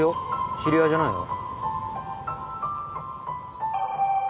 知り合いじゃないの？